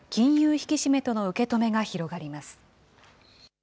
引き締めとの受け止めが広がります。